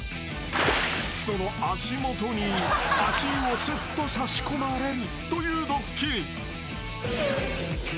［その足元に足湯をすっと差し込まれるというドッキリ］